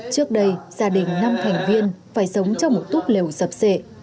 trước đây gia đình năm thành viên phải sống trong một túp lều sập sệ